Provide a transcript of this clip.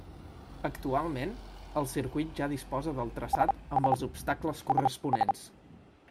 Actualment, el circuit ja disposa del traçat amb els obstacles corresponents.